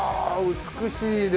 美しいね。